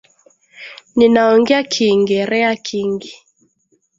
Ninaongea kiingerea kingi